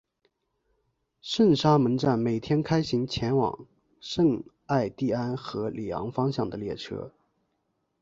圣沙蒙站每天开行前往圣艾蒂安和里昂方向的列车。